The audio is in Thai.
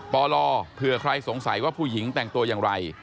ปลเผื่อใครสงสัยว่าผู้หญิงแต่งตัวอย่างไร